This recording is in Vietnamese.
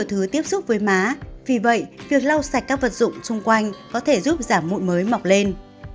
thứ tiếp xúc với má vì vậy việc lau sạch các vật dụng xung quanh có thể giúp giảm bụi mới mọc lên